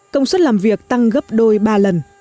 công suất làm việc tăng gấp đôi ba lần